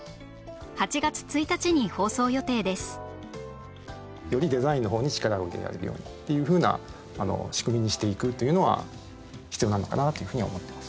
８月１日に放送予定ですよりデザインの方に力を入れられるようにっていうふうな仕組みにしていくというのは必要なのかなというふうには思ってます。